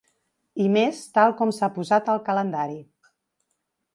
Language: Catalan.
I més tal com s’ha posat el calendari.